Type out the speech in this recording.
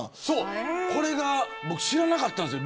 僕、知らなかったんですよ